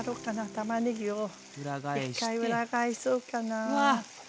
たまねぎを一回裏返そうかな。